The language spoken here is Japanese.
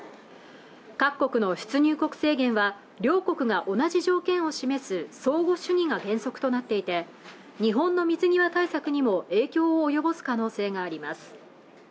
各国の出入国制限は両国が同じ条件を示す相互主義が原則となっていて日本の水際対策にも影響を及ぼす可能性があります